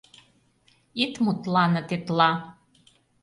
Ит мутлане тетла!